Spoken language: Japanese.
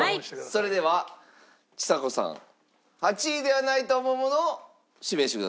それではちさ子さん８位ではないと思うものを指名してください。